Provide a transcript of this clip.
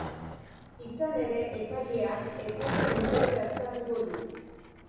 Izan ere, epaileak epaia gauzatzea eskatuko du.